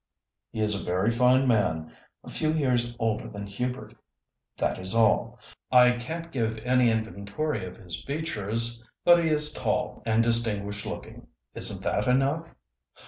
"He is a very fine man, a few years older than Hubert, that is all. I can't give any inventory of his features, but he is tall and distinguished looking. Isn't that enough?"